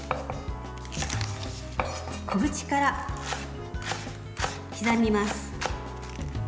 小口から刻みます。